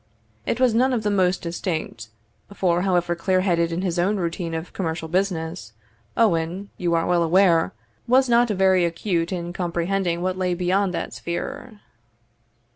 It was none of the most distinct; for, however clear headed in his own routine of commercial business, Owen, you are well aware, was not very acute in comprehending what lay beyond that sphere.